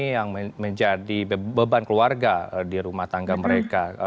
yang menjadi beban keluarga di rumah tangga mereka